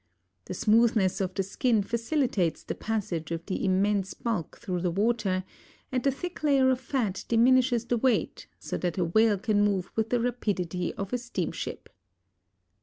The smoothness of the skin facilitates the passage of the immense bulk through the water and the thick layer of fat diminishes the weight so that a whale can move with the rapidity of a steamship.